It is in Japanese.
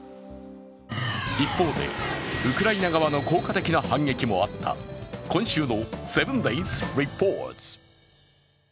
一方で、ウクライナ側の効果的な反撃もあった今週の「７ｄａｙｓリポート」。